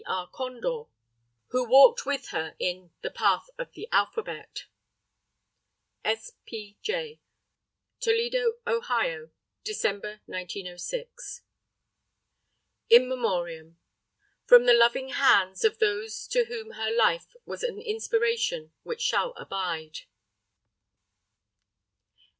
R. CONDOR, who walked with her "In the Path of the Alphabet." S. P. J. Toledo, Ohio, December, 1906. —————————————————————————— In Memorium From the loving hands of those to whom her life was an inspiration which shall abide.